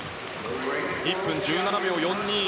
１分１７秒４２。